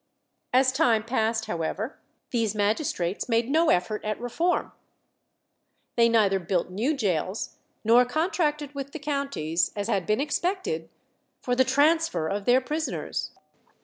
As time passed, however, these magistrates made no effort at reform. They neither built new gaols nor contracted with the counties, as had been expected, for the transfer of their prisoners.